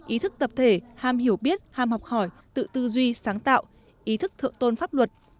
ý thức tập thể ham hiểu biết ham học hỏi tự tư duy sáng tạo ý thức thượng tôn pháp luật